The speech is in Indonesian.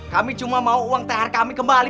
kami cuma mau uang thr kami kembali